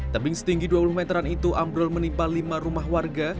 tebing setinggi dua puluh meteran itu ambrol menimpa lima rumah warga